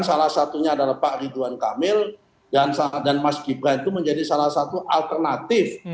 salah satunya adalah pak ridwan kamil dan mas gibran itu menjadi salah satu alternatif